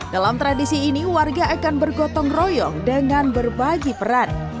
dalam tradisi ini warga akan bergotong royong dengan berbagi peran